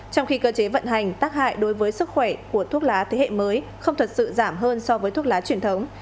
trong khi cơ chế vận hành tác hại đối với sức khỏe của thuốc lá thế hệ mới không thật sự giảm hơn so với thuốc lá truyền thống